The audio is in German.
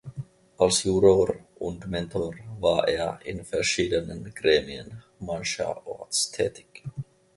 Als Juror und Mentor war er in verschiedenen Gremien mancherorts tätig.